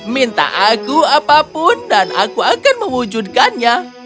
minta aku apapun dan aku akan mewujudkannya